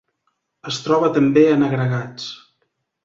Es troba també en agregats.